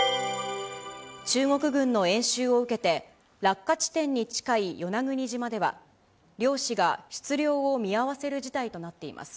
中国軍の演習を受けて、落下地点に近い与那国島では、漁師が出漁を見合わせる事態となっています。